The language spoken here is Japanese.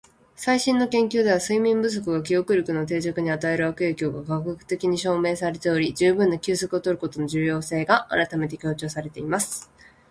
「最新の研究では、睡眠不足が記憶力の定着に与える悪影響が科学的に証明されており、十分な休息を取ることの重要性が改めて強調されています。」